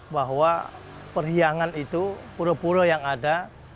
bahwa perhiangan itu pura pura yang ada